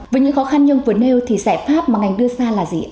với những khó khăn nhưng vừa nêu thì giải pháp mà ngành đưa ra là gì